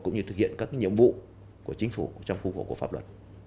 cũng như thực hiện các nhiệm vụ của chính phủ trong khu vực của pháp luật